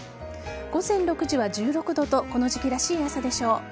午前６時は１６度とこの時期らしい朝でしょう。